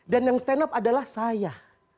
dan yang stand up adalah saya